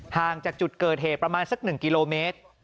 ห่างจากจุดเกิดเหตุประมาณสัก๑กิโลเมตร